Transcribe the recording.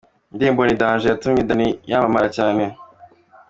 Indirimbo ’Ni danger’ yatumye Danny yamamara cyane:.